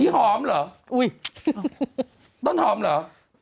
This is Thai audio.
อีหอมเหรอต้นหอมเหรออุ๊ย